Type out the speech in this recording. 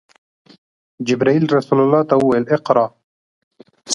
جبرئیل رسول الله ته وویل: “اقرأ!”